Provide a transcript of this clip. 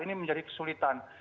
ini menjadi kesulitan